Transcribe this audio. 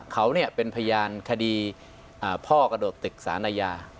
เค้าเป็นพยานคดีพอกระโดดตึกศาลในยา